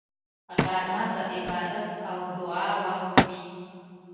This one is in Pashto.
غرمه د عبادت او دعا وخت وي